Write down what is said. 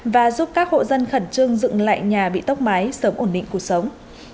và giúp các hộ dân khẩn trương dựng lại nhà bị tốc mái sớm ổn định cuộc sống